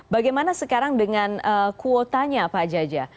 bagaimana sekarang dengan kuotanya pak jaja